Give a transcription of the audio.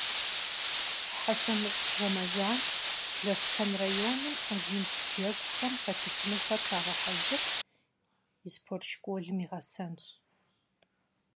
Щхьэщэмыщӏ Рэмэзан Лэскэн районым Олимп джэгухэм хэтыфынухэр щагъэхьэзыр и спорт школым и гъэсэнщ.